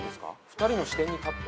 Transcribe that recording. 「２人の視点に立って」？